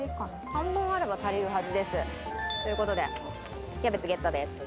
半分あれば足りるはずです。という事でキャベツゲットです。